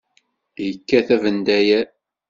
Yekka-t abendayer.